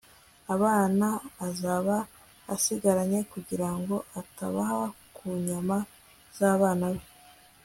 abana azaba asigaranye, kugira ngo atabaha ku nyama z'abana be